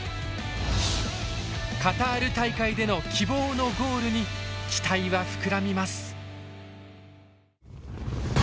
カタール大会での希望のゴールに期待は膨らみます。